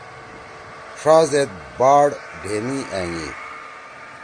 ݜازیت باڑ ڈھیمی أنگی؟